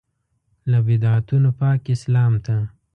له بدعتونو پاک اسلام ته.